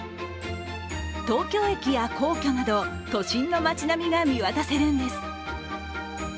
東京駅や皇居など、都心の街並みが見渡せるんです。